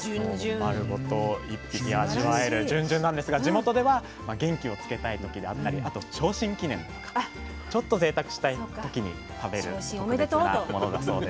丸ごと一匹味わえるじゅんじゅんなんですが地元では元気をつけたい時であったりあと昇進記念とかちょっとぜいたくしたい時に食べる特別なものだそうです。